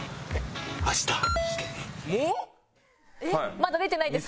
まだ出てないです。